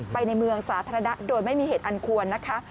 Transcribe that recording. ในเมืองสาธารณะโดยไม่มีเหตุอันควรนะคะ